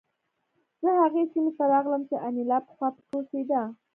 زه هغې سیمې ته راغلم چې انیلا پخوا پکې اوسېده